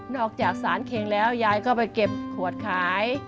จากสารเข็งแล้วยายก็ไปเก็บขวดขาย